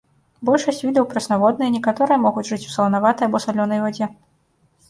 Большасць відаў прэснаводныя, некаторыя могуць жыць у саланаватай або салёнай вадзе.